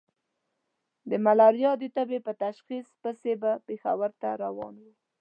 د ملاريا د تبې په تشخيص پسې به پېښور ته روان وو.